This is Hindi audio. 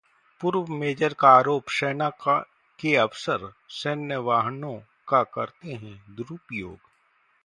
पूर्व मेजर का आरोप- सेना के अफसर सैन्य वाहनों का करते हैं 'दुरुपयोग'